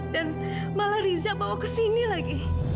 dan malah rize bawa ke sini lagi